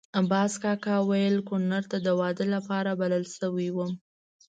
باز کاکا ویل کونړ ته د واده لپاره بلل شوی وم.